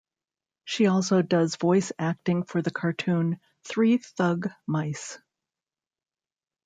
She also does voice acting for the cartoon "Three Thug Mice".